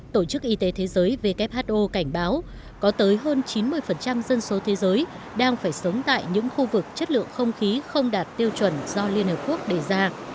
tổ chức y tế thế giới who cảnh báo có tới hơn chín mươi dân số thế giới đang phải sống tại những khu vực chất lượng không khí không đạt tiêu chuẩn do liên hợp quốc đề ra